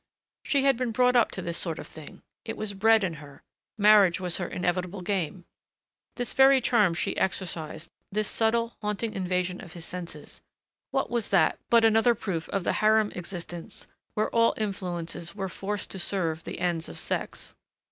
She had been brought up to this sort of thing. It was bred in her.... Marriage was her inevitable game. This very charm she exercised, this subtle, haunting invasion of his senses, what was that but another proof of the harem existence where all influences were forced to serve the ends of sex